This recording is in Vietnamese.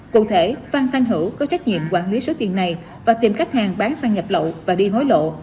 cụ thể phan phan hữu có trách nhiệm quản lý số tiền này và tìm khách hàng bán pha nhập lậu và đi hối lộ